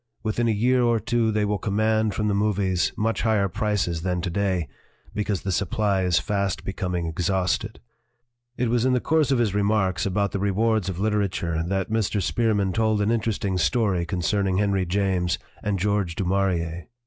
Within a year or two they will command from the movies much higher prices than to day, because the supply is fast becoming exhausted." 1 It was in the course of his remarks about the rewards of literature that Mr. Spearman told an interesting story concerning Henry James and George du Maurier.